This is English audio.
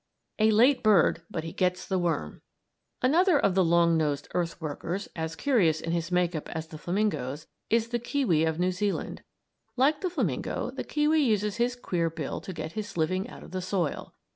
] A LATE BIRD, BUT HE GETS THE WORM Another of the long nosed earth workers, as curious in his make up as the flamingoes, is the kiwi of New Zealand. Like the flamingo, the kiwi uses his queer bill to get his living out of the soil.